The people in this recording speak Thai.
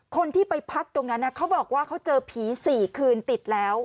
คนที่ไปพักตรงนั้นเขาบอกว่าเขาเจอผี๔คืนติดแล้ว